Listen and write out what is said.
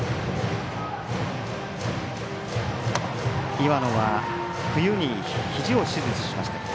岩野は冬にひじを手術しました。